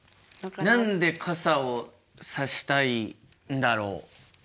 何で傘をさしたいんだろう？